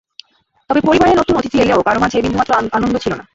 তবে পরিবারে নতুন অতিথি এলেও কারও মাঝে বিন্দুমাত্র আনন্দ ছিল না।